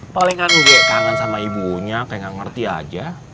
palingan gak kangen sama ibunya kayak gak ngerti aja